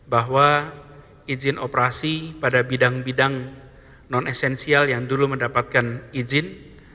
bahwa izin operasi pada bidang bidang non esensial yang dulu mendapatkan izin